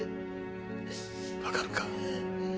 わかるか？